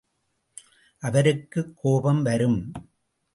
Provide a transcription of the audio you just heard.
அவருக்குக் கோபம் வரும்.